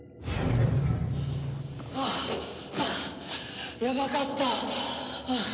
はあはあやばかった！